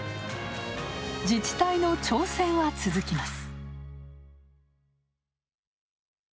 自治体の挑戦は続きます。